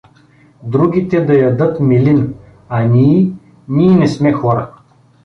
— Другите да ядат милин, а ний… ний не сме хора.